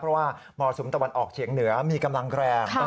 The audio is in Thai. เพราะว่ามรสุมตะวันออกเฉียงเหนือมีกำลังแรง